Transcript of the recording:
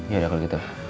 yaudah kalau gitu